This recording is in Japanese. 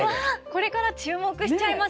これから注目しちゃいます。